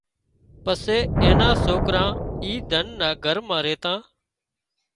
پسي اين نا سوڪرا اي ڌنَ نا گھر مان ريتا